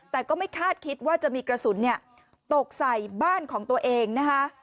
แต่ก็ไม่คาดคิดว่าจะมีกระสุนตกใส่บ้านของตัวเองนะคะ